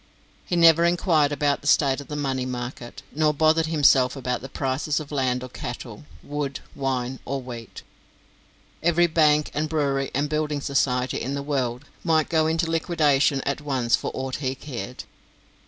He never enquired about the state of the money market, nor bothered himself about the prices of land or cattle, wood, wine, or wheat. Every bank, and brewery, and building society in the world might go into liquidation at once for aught he cared.